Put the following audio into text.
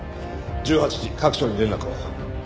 １８時各所に連絡を。